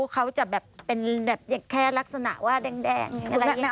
เขาจะแบบเป็นแบบแค่ลักษณะว่าแดงอะไรอย่างนี้